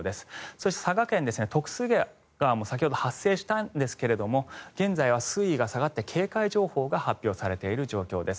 そして佐賀県は徳須恵川も先ほど発生したんですが現在は水位が下がって警戒情報が発表されている状況です。